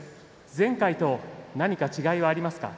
前回と何か違いはありますか。